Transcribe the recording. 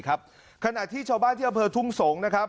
ขนาดที่ชาวบ้านเที่ยวเพลิงทุ่งสงต์